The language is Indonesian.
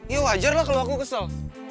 ya wajar lah kalau aku kesel